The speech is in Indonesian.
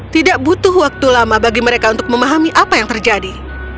tidak butuh waktu lama bagi mereka untuk memahami apa yang terjadi